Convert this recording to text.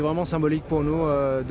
ini sangat simbolik untuk kita